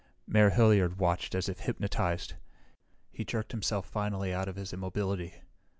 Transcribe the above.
Mayor Hilliard watched as if hypnotized. He jerked himself, finally, out of his immobility.